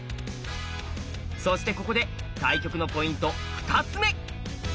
そしてここで対局のポイント２つ目！